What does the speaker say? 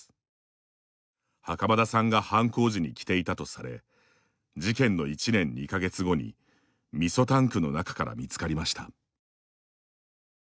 袴田さんが犯行時に着ていたとされ事件の１年２か月後にみそタンクの中から見つかりました。